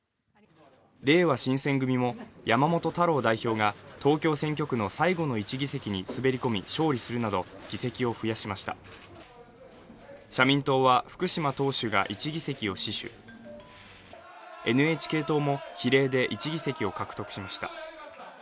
れいわ新選組も山本太郎代表が東京選挙区の最後の１議席に滑り込み勝利するなど議席を増やしました社民党は福島党首が１議席を死守ＮＨＫ党も比例で１議席を獲得しました